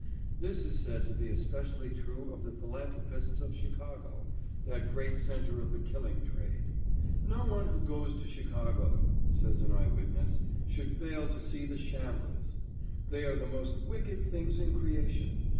This is said to be especially true of the philanthropists of Chicago—that great centre of the killing trade. "No one who goes to Chicago," says an eye witness, "should fail to see the shambles. They are the most wicked things in creation.